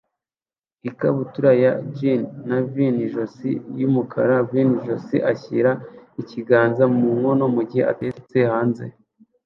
ikabutura ya jean na v-ijosi yumukara vinc ijosi ashyira ikiganza mu nkono mugihe atetse hanze